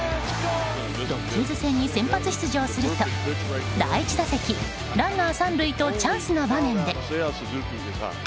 ロッキーズ戦に先発出場すると第１打席、ランナー３塁とチャンスの場面で。